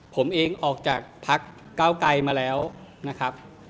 ผมเองออกจากพักเก้าไกลมาแล้วนะครับ